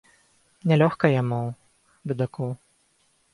Не лёгка яму, бедаку.